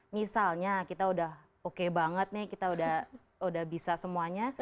misalnya kita udah oke banget nih kita udah bisa semuanya